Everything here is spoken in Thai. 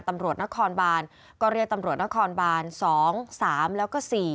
ตำรวจนครบานก็เรียกตำรวจนครบาน๒๓แล้วก็๔